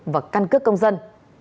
và căn cước công dân